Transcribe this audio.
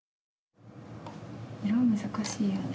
色難しいよね。